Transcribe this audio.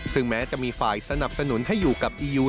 ซึ่งแม้จะมีฝ่ายสนับสนุนให้อยู่กับอียู